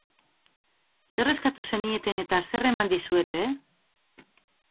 Zer eskatu zenieten eta zer eman dizuete?